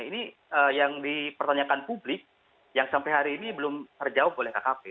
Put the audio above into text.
ini yang dipertanyakan publik yang sampai hari ini belum terjawab oleh kkp